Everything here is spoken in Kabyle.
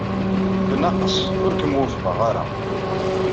Bnaqes, ur kem-wufqeɣ ara.